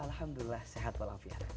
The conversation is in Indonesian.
alhamdulillah sehat walafiat